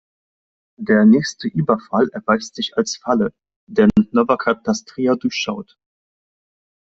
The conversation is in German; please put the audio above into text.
Der nächste Überfall erweist sich als Falle, denn Novak hat das Trio durchschaut.